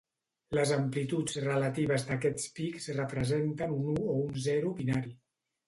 Les amplituds relatives d'aquests pics representen un u o un zero binari.